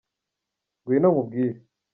Ngwino nkubwire.